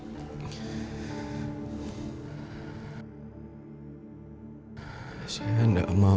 aku sudah berusaha untuk mengambil alih